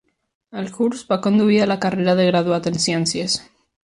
El curs va conduir a la carrera de Graduat en Ciències.